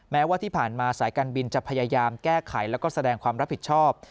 แม้ว่าที่ผ่านมาสายการบินจะพยายามแก้ไขแล้วก็แสดงความรับผิดชอบ